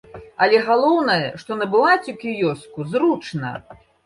Але галоўнае, што набываць у кіёску зручна.